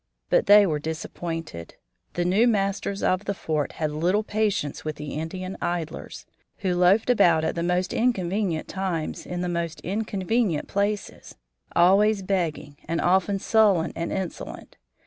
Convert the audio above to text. But they were disappointed. The new masters of the fort had little patience with the Indian idlers, who loafed about at the most inconvenient times in the most inconvenient places, always begging, and often sullen and insolent.